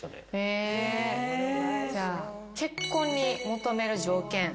じゃあ結婚に求める条件。